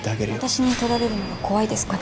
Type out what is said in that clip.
私に取られるのが怖いですか？